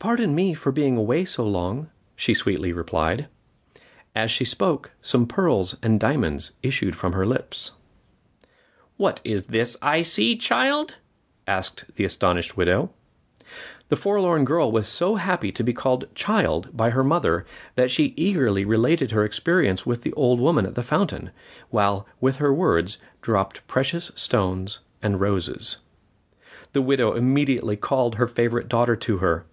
"Pardon me for being away so long," she sweetly replied. As she spoke some pearls and diamonds issued from her lips. "What is this I see, child?" asked the astonished widow. The forlorn girl was so happy to be called child by her mother that she eagerly related her experience with the old woman at the fountain, while, with her words, dropped precious stones and roses. The widow immediately called her favorite daughter to her.